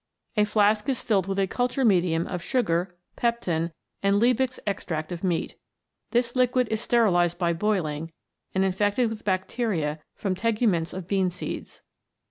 A flask is filled with a culture medium of sugar, pepton, and Liebig's extract of meat. This liquid is sterilised by boiling and infected with bacteria from tegu ments of bean seeds.